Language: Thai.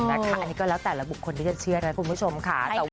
อันนี้ก็แล้วแต่ละบุคคลที่จะเชื่อนะคุณผู้ชมค่ะ